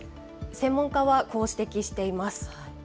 専門家は、こう指摘しています。